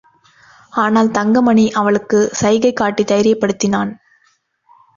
ஆனால், தங்கமணி அவளுக்குச் சைகை காட்டித் தைரியப்படுத்தினான்.